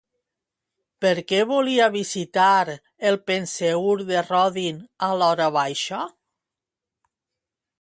Per què volia visitar el Penseur de Rodin a l'horabaixa?